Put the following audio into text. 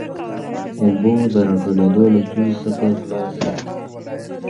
اوبو د راټولېدو له ستونزې څخه خلاص سي.